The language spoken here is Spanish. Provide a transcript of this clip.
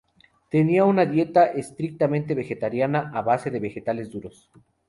Tenía una dieta estrictamente vegetariana a base de vegetales duros.